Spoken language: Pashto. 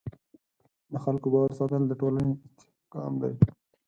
د خلکو باور ساتل د ټولنې استحکام دی.